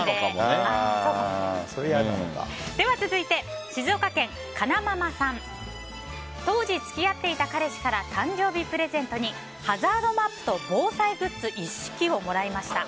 では続いて、静岡県の方。当時付き合っていた彼氏から誕生日プレゼントにハザードマップと防災グッズ一式をもらいました。